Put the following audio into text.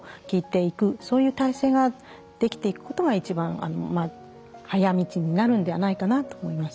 そういう体制ができていくことが一番早道になるんではないかなと思います。